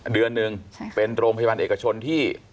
เดือนหนึ่งเป็นโรงพยาบาลเอกชนที่